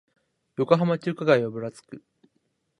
横浜中華街をぶらつく